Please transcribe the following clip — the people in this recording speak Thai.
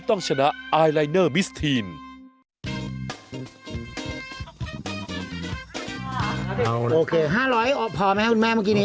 โอเค๕๐๐อาจออกพอไหมค่ะคุณแม่เมื่อกี้นี้